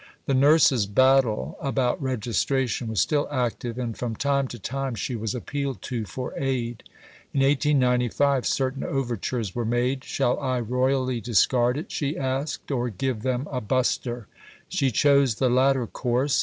The "Nurses' Battle" about registration was still active, and from time to time she was appealed to for aid. In 1895 certain overtures were made. "Shall I royally discard it," she asked, "or give them a buster?" She chose the latter course.